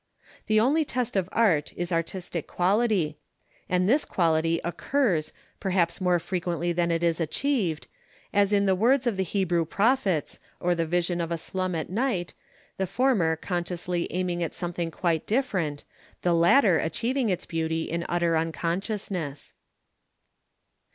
The only test of art is artistic quality, and this quality occurs perhaps more frequently than it is achieved, as in the words of the Hebrew prophets, or the vision of a slum at night, the former consciously aiming at something quite different, the latter achieving its beauty in utter unconsciousness.